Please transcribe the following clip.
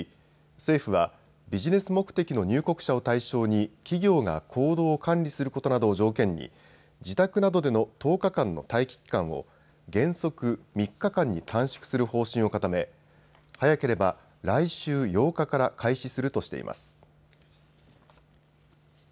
政府はビジネス目的の入国者を対象に企業が行動を管理することなどを条件に自宅などでの１０日間の待機期間を原則３日間に短縮する方針を固め早ければ来週８日から開始するとしています。